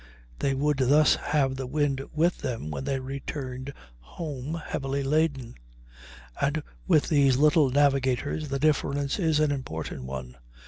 They would thus have the wind with them when they returned home heavily laden, and with these little navigators the difference is an important one.